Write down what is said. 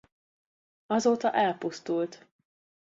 Azóta elpusztult.